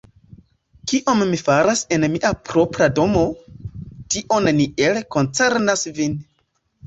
Kion mi faras en mia propra domo, tio neniel koncernas vin.